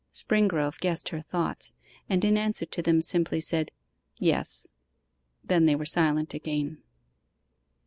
Springrove guessed her thoughts, and in answer to them simply said 'Yes.' Then they were silent again.